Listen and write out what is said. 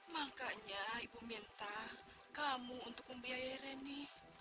makanya ibu minta kamu untuk membiayai reni